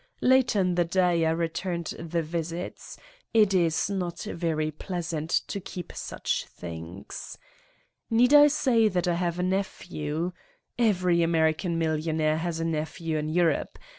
Later in the day I returned the visits : it is not very pleasant to keep such things. Need I say that I have a nephew? Every Amer ican millionaire has a nephew in Europe.